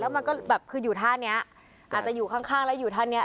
แล้วมันก็อยู่ท่านี้อาจจะอยู่ข้างแล้วอยู่ท่านี้